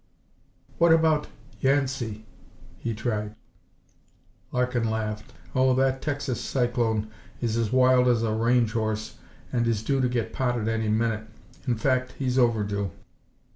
"What about Yancey?" he tried. Larkin laughed. "Oh, that Texas cyclone is as wild as a range horse and is due to get potted any minute. In fact, he's overdue.